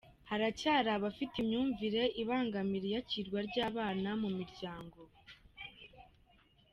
Haracyari abafite imyumvire ibangamira iyakirwa ry’abana mu miryango